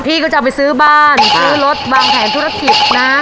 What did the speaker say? พี่ก็จะเอาไปซื้อบ้านซื้อรถวางแผนธุรกิจนะ